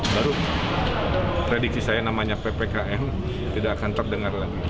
baru prediksi saya namanya ppkm tidak akan terdengar lagi